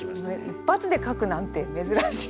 一発で書くなんて珍しい。